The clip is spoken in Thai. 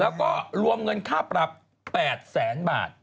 แล้วก็รวมเงินค่าปรับ๘แสนบาท